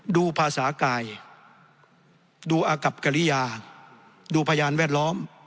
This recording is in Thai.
ดูภาษากายดูอากับกริยาดูพยานแวดล้อม